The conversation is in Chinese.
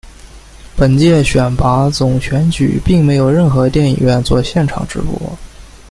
本届选拔总选举并没有任何电影院作现场直播。